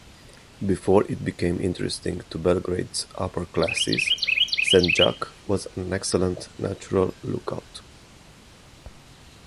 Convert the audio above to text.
Before it became interesting to Belgrade's upper classes, Senjak was an excellent natural lookout.